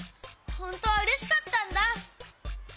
ほんとはうれしかったんだ！